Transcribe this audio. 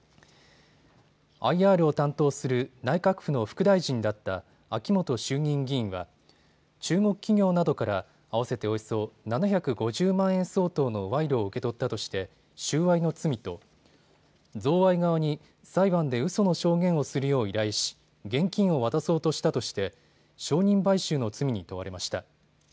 ＩＲを担当する内閣府の副大臣だった秋元衆議院議員は中国企業などから合わせておよそ７５０万円相当の賄賂を受け取ったとして収賄の罪と、贈賄側に裁判でうその証言をするよう依頼し現金を渡そうとしたとして証人買収の罪に問われました。